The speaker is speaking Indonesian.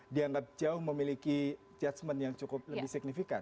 dianggap jauh memiliki judgement yang cukup lebih signifikan